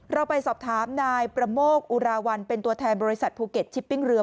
เราไปสอบถามนายประโมกอุราวัลเป็นตัวแทนบริษัทภูเก็ตชิปปิ้งเรือ